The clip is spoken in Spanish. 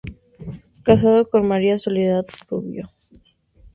Casado con María Soledad Rubio.